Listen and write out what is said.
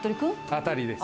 当たりです。